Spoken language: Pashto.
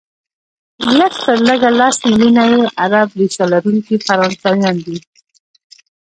لږ تر لږه لس ملیونه یې عرب ریشه لرونکي فرانسویان دي،